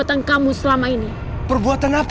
aku akan menganggap